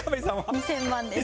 ２０００万です。